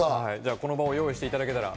この場を用意していただけたら。